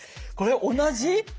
これ同じ！？